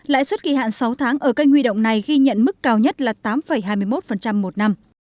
lãi suất kỳ hạn sáu tháng ở cây huy động này ghi nhận mức cao nhất là tám hai mươi một một năm